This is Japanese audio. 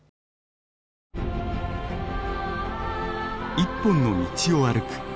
一本の道を歩く。